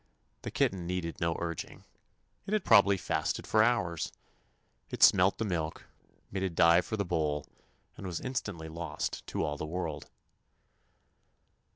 The kitten needed no 123 THE ADVENTURES OF urging. It had probably fasted for hours. It smelt the milk, made a dive for the bowl, and was instantly lost to all the world.